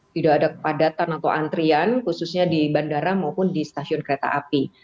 tidak ada kepadatan atau antrian khususnya di bandara maupun di stasiun kereta api